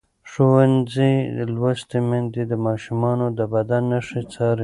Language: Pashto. ښوونځې لوستې میندې د ماشومانو د بدن نښې څاري.